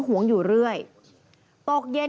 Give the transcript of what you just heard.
แป๊บหนึ่ง